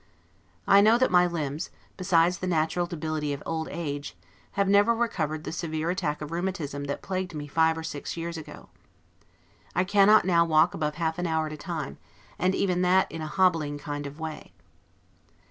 I know that my limbs, besides the natural debility of old age, have never recovered the severe attack of rheumatism that plagued me five or six years ago. I cannot now walk above half an hour at a time and even that in a hobbling kind of way.